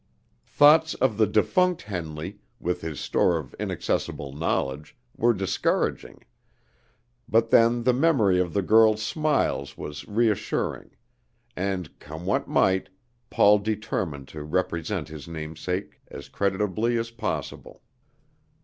Thoughts of the defunct Henley, with his store of inaccessible knowledge, were discouraging; but then the memory of the girl's smiles was reassuring; and, come what might, Paul determined to represent his namesake as creditably as possible.